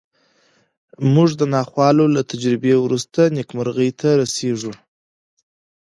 موږ د ناخوالو له تجربې وروسته نېکمرغۍ ته رسېږو